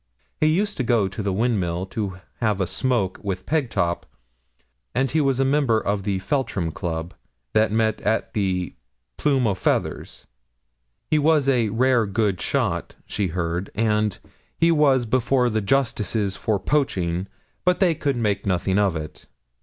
He used to go to the Windmill to have 'a smoke with Pegtop;' and he was a member of the Feltram Club, that met at the 'Plume o' Feathers.' He was 'a rare good shot,' she heard; and 'he was before the justices for poaching, but they could make nothing of it.'